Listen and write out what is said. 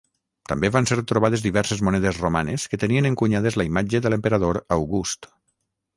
També van ser trobades diverses monedes romanes que tenien encunyades la imatge de l'emperador August.